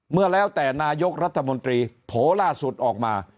เมื่อแล้วแต่นายกรัฐมนตรีโผล่ล่าสุดออกมา